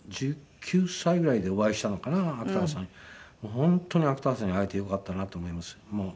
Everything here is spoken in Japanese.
本当に芥川さんに会えてよかったなと思います